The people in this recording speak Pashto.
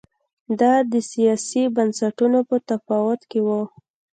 دا د سیاسي بنسټونو په تفاوت کې و